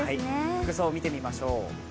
服装、見ていきましょう。